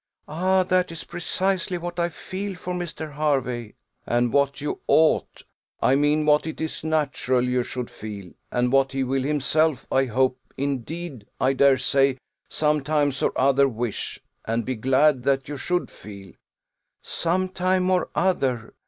"Ah! that is precisely what I feel for Mr. Hervey." "And what you ought I mean, what it is natural you should feel; and what he will himself, I hope, indeed I dare say, some time or other wish, and be glad that you should feel." "Some time or other!